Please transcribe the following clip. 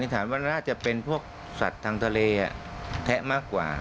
ฐานว่าน่าจะเป็นพวกสัตว์ทางทะเลแทะมากกว่า